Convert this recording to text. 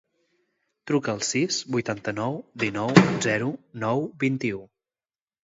Truca al sis, vuitanta-nou, dinou, zero, nou, vint-i-u.